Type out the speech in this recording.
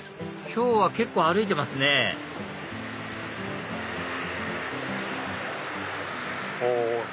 今日は結構歩いてますねほう！